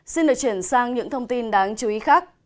xin được chuyển sang những thông tin đáng chú ý khác